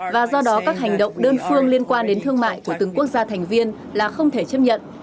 và do đó các hành động đơn phương liên quan đến thương mại của từng quốc gia thành viên là không thể chấp nhận